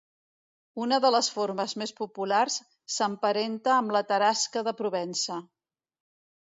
Una de les formes més populars, s'emparenta amb la Tarasca de Provença.